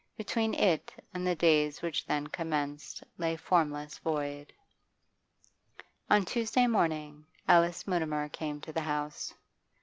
Between it and the days which then commenced lay formless void. On Tuesday morning Alice Mutimer came to the house.